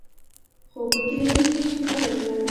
خو په کلینیک کې خطر لږ و.